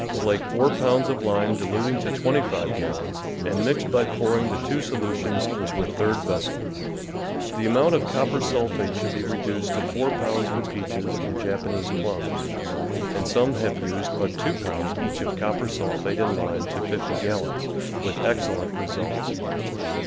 Slake 4 pounds of lime diluting to 25 gallons and mix by pouring the two solutions into a third vessel. THE VEGETABLE GARDEN The amount of copper sulphate should be re duced to 4 pounds for peaches and Japanese plums, and some have used but 2 pounds each of copper sulphate and lime to 50 gallons, with excellent re sults.